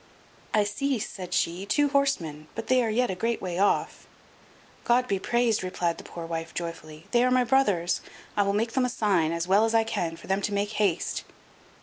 "I see," said she, "two horsemen, but they are yet a great way off." "God be praised," replied the poor wife joyfully; "they are my brothers; I will make them a sign, as well as I can, for them to make haste."